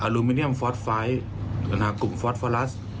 อลูมิเนียมฟอร์สไฟล์หรือกลุ่มฟอร์สฟอรัส